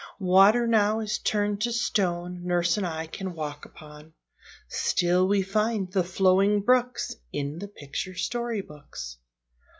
Water now is turned to stone Nurse and I can walk upon; Still we find the flowing brooks In the picture story books.